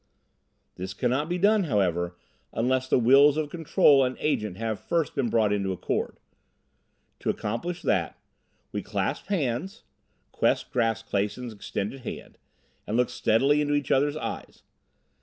"This can not be done, however, unless the wills of Control and Agent have first been brought into accord. To accomplish that, we clasp hands" Quest grasped Clason's extended hand "and look steadily into each other's eyes.